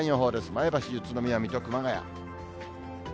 前橋、宇都宮、水戸、熊谷。